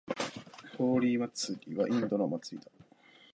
ホーリー祭はインドのお祭りだ。